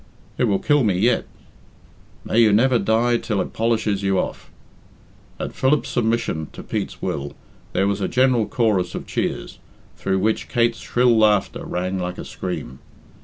"It will kill me yet " "May you never die till it polishes you off.". At Philip's submission to Pete's will, there was a general chorus of cheers, through which Kate's shrill laughter rang like a scream.